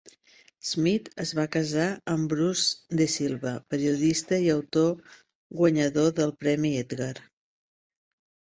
Smith es va casar amb Bruce DeSilva, periodista i autor guanyador del Premi Edgar.